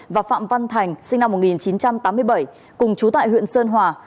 và phạm văn thành sinh năm một nghìn chín trăm tám mươi bảy cùng chú tại huyện sơn hòa